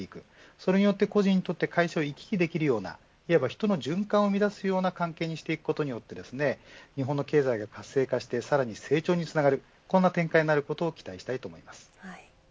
それによって個人が会社を行き来できるような人の循環を生み出すような関係にしていくことによって日本の経済が活性化してさらに成長につながる展開になることを期待したいと思います。